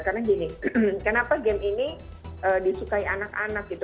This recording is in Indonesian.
karena gini kenapa game ini disukai anak anak gitu